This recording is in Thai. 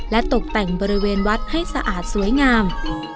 ตกแต่งบริเวณวัดให้สะอาดสวยงาม